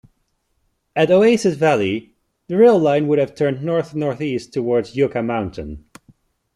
At Oasis Valley, the rail line would have turned north-northeast towards Yucca Mountain.